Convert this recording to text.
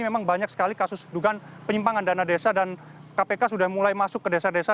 memang banyak sekali kasus dugaan penyimpangan dana desa dan kpk sudah mulai masuk ke desa desa